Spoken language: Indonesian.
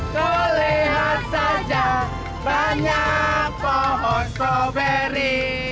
kelihatan saja banyak pohon soberi